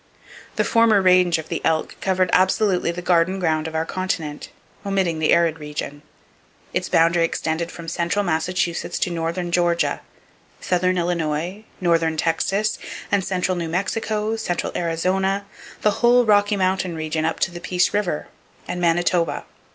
The former range of the elk covered absolutely the garden ground of our continent, omitting the arid region. Its boundary extended from central Massachusetts to northern Georgia, southern Illinois, northern Texas and central New Mexico, central Arizona, the whole Rocky Mountain region up to the Peace River, and Manitoba.